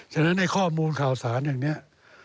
ฉะนั้นในข้อมูลข่าวสารอย่างนี้